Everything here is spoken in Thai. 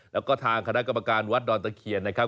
แล้วก็ทางคณะกรรมการวัดดอนตะเคียนนะครับ